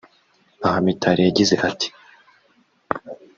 Aha Mitali yagize ati